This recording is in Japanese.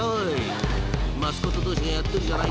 ［マスコット同士がやってるじゃない。